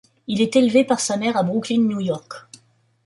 Il est élevé par sa mère à Brooklyn, New York.